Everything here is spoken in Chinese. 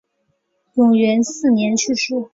永元四年去世。